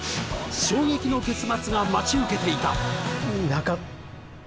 衝撃の結末が待ち受けていた！